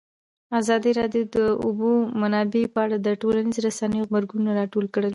ازادي راډیو د د اوبو منابع په اړه د ټولنیزو رسنیو غبرګونونه راټول کړي.